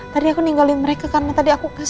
tadi aku ninggalin mereka karena tadi aku kasih